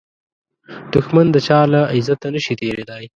دښمن د چا له عزته نشي تېریدای